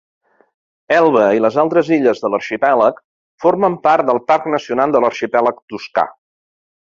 Elba i les altres illes de l'arxipèlag formen part del Parc Nacional de l'Arxipèlag Toscà.